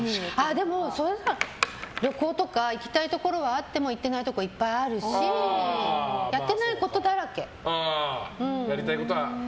旅行とか行きたいところはあっても、行ってないところいっぱいあるしやってないことだらけ。